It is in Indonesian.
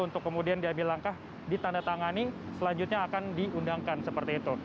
untuk kemudian diambil langkah ditandatangani selanjutnya akan diundangkan seperti itu